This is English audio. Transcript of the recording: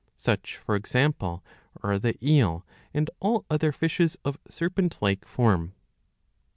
Such, for example, are the eel and all other fishes of serpent like form.